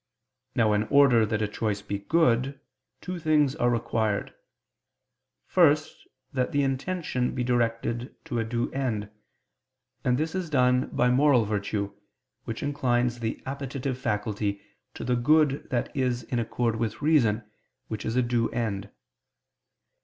Now in order that a choice be good, two things are required. First, that the intention be directed to a due end; and this is done by moral virtue, which inclines the appetitive faculty to the good that is in accord with reason, which is a due end.